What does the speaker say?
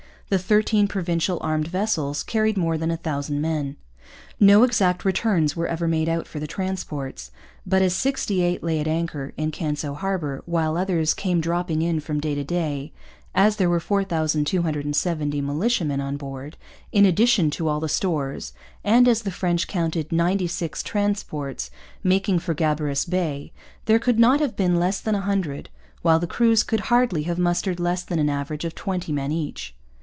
The thirteen Provincial armed vessels carried more than 1,000 men. No exact returns were ever made out for the transports. But as '68 lay at anchor' in Canso harbour, while others 'came dropping in from day to day,' as there were 4,270 militiamen on board, in addition to all the stores, and as the French counted '96 transports' making for Gabarus Bay, there could not have been less than 100, while the crews could hardly have mustered less than an average of 20 men each.